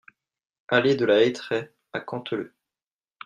Allée de la Hetraie à Canteleu